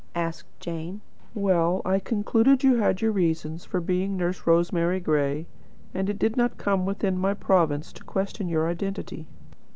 asked Jane. "Well, I concluded you had your reasons for being 'Nurse Rosemary Gray,' and it did not come within my province to question your identity."